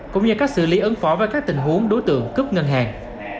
cũng như các xử lý ấn phó với các tình huống đối tượng cướp ngân hàng